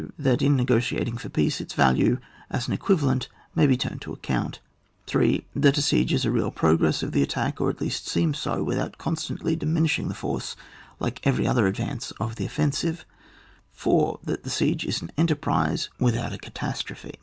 That in negotiating for peace, its value as an equivalent may be turned to account. 8. That a siege is a real progress of the attack, or at least seems so, without constantly diminishing the force like every other advance of the offensive, 4. That the siege is an enteiprise without a catastrophe.